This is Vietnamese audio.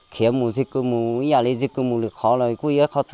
khi mà di cư